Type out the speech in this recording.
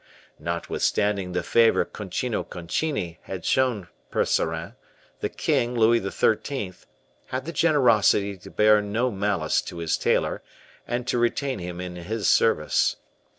Notwithstanding the favor Concino Concini had shown Percerin, the king, Louis XIII., had the generosity to bear no malice to his tailor, and to retain him in his service.